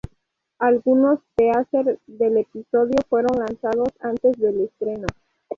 Algunos teaser del episodio fueron lanzados antes del estreno.